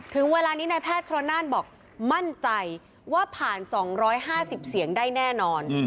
ถึงเวลานี้นายแพทย์ชนนานบอกมั่นใจว่าผ่าน๒๕๐เสียงได้แน่นอน